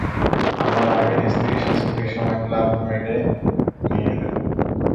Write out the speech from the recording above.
আমার আগের স্ত্রী সে ছুটির সময় ক্লাব মেডে নিয়ে যেতো।